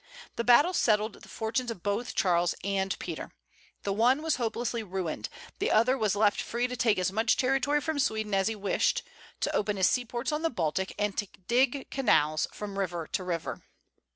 That battle settled the fortunes of both Charles and Peter. The one was hopelessly ruined; the other was left free to take as much territory from Sweden as he wished, to open his seaports on the Baltic, and to dig canals from river to river.